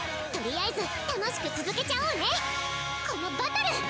とりあえず楽しく続けちゃおうねこのバトル！